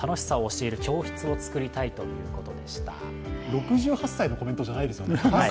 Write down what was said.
６８歳のコメントじゃないですよね。